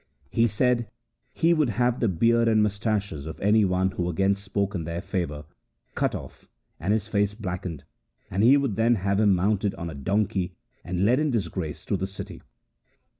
He said he would have the beard and moustaches of any one who again spoke in their favour cut off and his face blackened, and he would then have him mounted on a donkey and led in disgrace through the city.